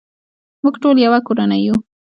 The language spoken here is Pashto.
موږ ټول یو کورنۍ یو.